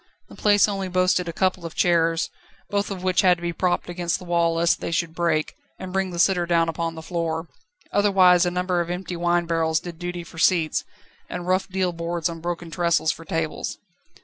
The place only boasted of a couple of chairs, both of which had to be propped against the wall lest they should break, and bring the sitter down upon the floor; otherwise a number of empty wine barrels did duty for seats, and rough deal boards on broken trestles for tables.